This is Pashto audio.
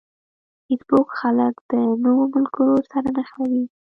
فېسبوک خلک د نوو ملګرو سره نښلوي